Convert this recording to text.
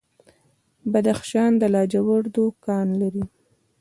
بدخشان د لاجوردو کان لري